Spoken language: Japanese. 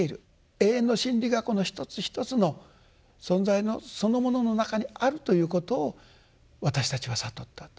永遠の真理がこの一つ一つの存在のそのものの中にあるということを私たちは悟ったと。